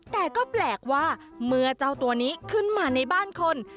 แต่ก็แปลกว่าเมื่อเจ้าตัวนี้ขึ้นมาในบ้านคน